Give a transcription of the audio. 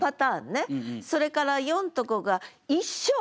それから４と５が「一生」「一生涯」ね。